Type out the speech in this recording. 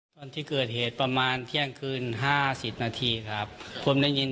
ตอนที่เกิดเหตุประมาณเที่ยงคืนห้าสิบนาทีครับผมได้ยิน